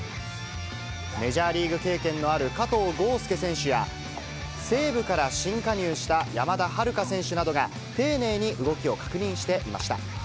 メジャーリーグ経験のあるかとうごうすけ選手や、西武から新加入した山田遥楓選手などが丁寧に動きを確認していました。